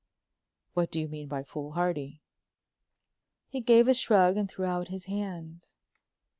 "What do you mean by foolhardy?" He gave a shrug and threw out his hands.